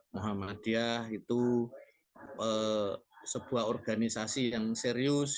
muhammadiyah itu sebuah organisasi yang serius